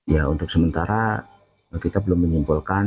ya untuk sementara kita belum menyimpulkan